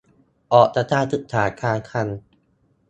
ออกจากการศึกษากลางคัน